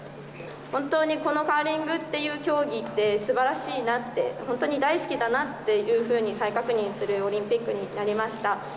本当にこのカーリングっていう競技って、すばらしいなって、本当に大好きだなっていうふうに再確認するオリンピックになりました。